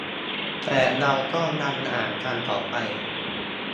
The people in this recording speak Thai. แต่เราก็ยังอ่านกันต่อไป